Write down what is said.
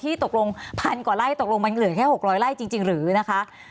ตกลงพันกว่าไร่ตกลงมันเหลือแค่๖๐๐ไร่จริงหรือนะคะ